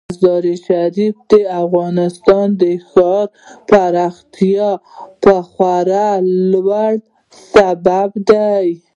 مزارشریف د افغانستان د ښاري پراختیا یو خورا لوی سبب دی.